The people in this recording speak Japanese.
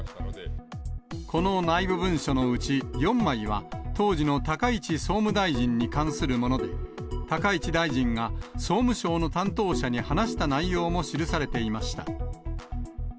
この内部文書のうち、４枚は、当時の高市総務大臣に関するもので、高市大臣が総務省の担当者に話した内容も記されていました。